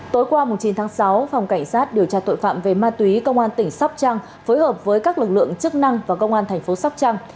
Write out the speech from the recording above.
tối qua chín tháng sáu phòng cảnh sát điều tra tội phạm về ma túy công an tỉnh sóc trăng phối hợp với các lực lượng chức năng và công an thành phố sóc trăng